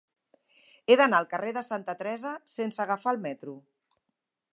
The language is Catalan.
He d'anar al carrer de Santa Teresa sense agafar el metro.